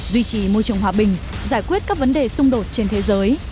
duy trì môi trường hòa bình giải quyết các vấn đề xung đột trên thế giới